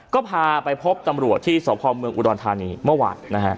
ก็พาไปพบตำรวจที่สพเมืองอุดรธานีเมื่อวานนะฮะ